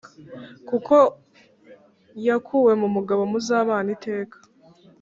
kuko yakuwe mu Mugabo muzabana iteka